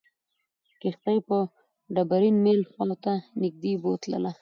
کښتۍ مې د ډبرین میل خواته نږدې بوتلله.